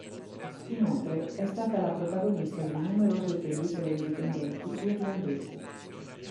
Inoltre è stata la protagonista di numerose pellicole indipendenti irlandesi.